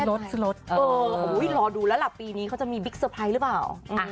อ๋อหลอดูแล้วล่ะปีนี้เขาจะมีบิ๊กสะพายหรือเปล่า